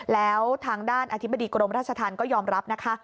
แล้วทางด้านอธิบดีกรมราชธรรมก็ยอมรับนะคะ